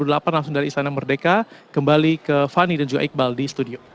langsung dari istana merdeka kembali ke fani dan juga iqbal di studio